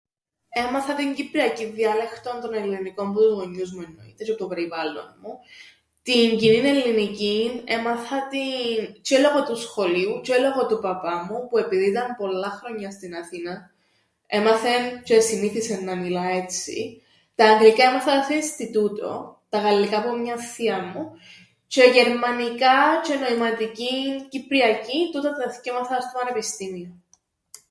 Έμαθα την κυπριακήν διάλεκτον των Ελληνικών που τους γονιούς μου εννοείται τζ̌αι που το περιβάλλον μου. Την Κοινήν Ελληνικήν έμαθα την τζ̌αι λόγω του σχολείου τζ̌αι λόγω του παπά μου, που επειδή ήταν πολλά χρόνια στην Αθήναν έμαθεν τζ̌αι εσυνήθισεν να μιλά έτσι. Τα αγγλικά έμαθα τα σε ινστιτούτον, τα γαλλικά που μιαν θείαν μου, τζ̌αι γερμανικά τζ̌αι νοηματικήν κυπριακήν τούτα τα θκυο έμαθα τα στο πανεπιστήμιον.